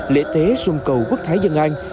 lễ thế xuân cầu quốc thái dân an